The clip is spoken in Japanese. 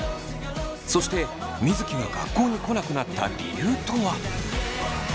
そして水城が学校に来なくなった理由とは？